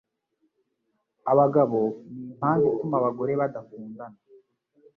Abagabo nimpamvu ituma abagore badakundana.